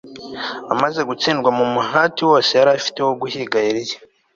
Amaze gutsindwa mu muhati wose yari afite wo guhiga Eliya